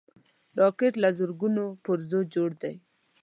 راکټ له زرګونو پرزو جوړ دی